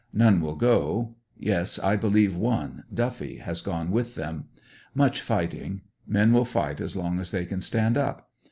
None will go — yes, I believe one Duffy has gone with them. Much fighting. Men will fight as long as they can stand up.